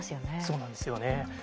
そうなんですよね。